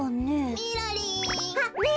・みろりん！